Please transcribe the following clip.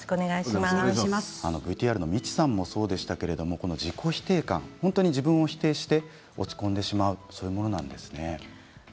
ＶＴＲのみちさんもそうでしたが自己否定感、自分を否定して落ち込んでしまうものなんですね。